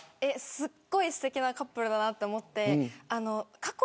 すごくすてきなカップルだなと思って。